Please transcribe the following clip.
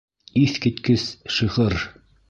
Иҫ киткес шиғыр.